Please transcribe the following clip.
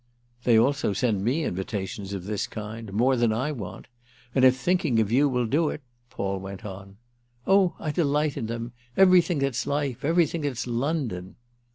"They also send me invitations of this kind—more than I want. And if thinking of you will do it—!" Paul went on. "Oh I delight in them—everything that's life—everything that's London!"